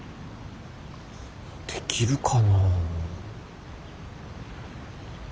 できるかなあ。